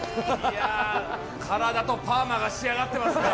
体とパーマが仕上がってますね。